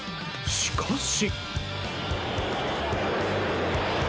しかし。